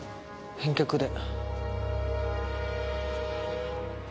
返却で。